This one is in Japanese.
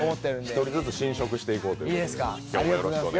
１人ずつ浸食していこうという。